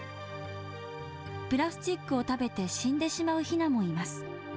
プラスチックを食べて死んでしまうひなもいます。